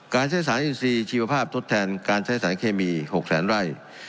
ใช้สารอินทรีย์ชีวภาพทดแทนการใช้สารเคมี๖แสนไร่